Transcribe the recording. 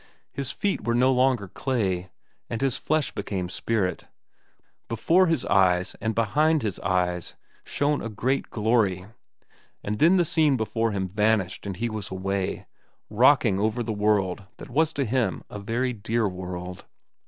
His feet were no longer clay, and his flesh became spirit; before his eyes and behind his eyes shone a great glory; and then the scene before him vanished and he was away, rocking over the world that was to him a very dear world.